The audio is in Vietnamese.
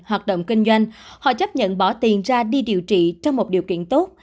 hoạt động kinh doanh họ chấp nhận bỏ tiền ra đi điều trị trong một điều kiện tốt